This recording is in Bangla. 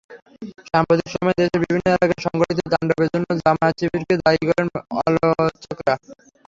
সাম্প্রতিক সময়ে দেশের বিভিন্ন এলাকায় সংঘটিত তাণ্ডবের জন্য জামায়াত-শিবিরকে দায়ী করেন আলোচকেরা।